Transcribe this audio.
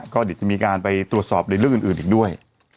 ก็เดี๋ยวจะมีการไปตรวจสอบในเรื่องอื่นอีกด้วย